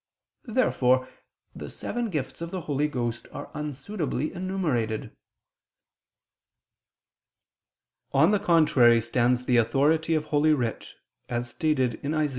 Therefore the seven gifts of the Holy Ghost are unsuitably enumerated. On the contrary, stands the authority of Holy Writ (Isa.